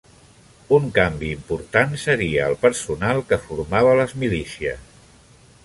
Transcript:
Un canvi important seria el personal que formava les milícies.